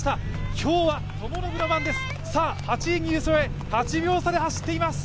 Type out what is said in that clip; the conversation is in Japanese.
今日は友伸の番です、８位入賞へ８秒差で走っています。